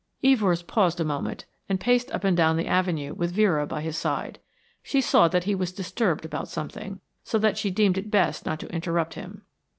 Evors paused a moment and paced up and down the avenue with Vera by his side. She saw that he was disturbed about something, so that she deemed it best not to interrupt him.